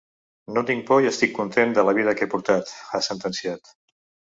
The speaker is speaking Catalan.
No tinc por i estic content de la vida que he portat, ha sentenciat.